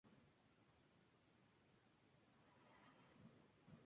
Son organismos de suelo Gram-positivos.